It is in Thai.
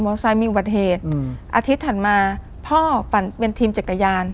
ไซค์มีอุบัติเหตุอาทิตย์ถัดมาพ่อปั่นเป็นทีมจักรยาน